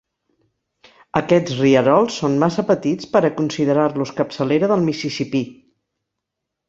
Aquests rierols són massa petits per a considerar-los capçalera del Mississipí.